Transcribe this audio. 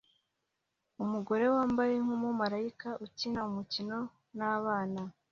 Umugore wambaye nkumumarayika ukina umukino nabana